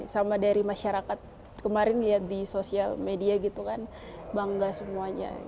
sama dari masyarakat kemarin lihat di sosial media gitu kan bangga semuanya